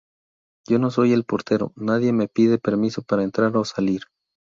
yo no soy el portero. nadie me pide permiso para entrar o salir.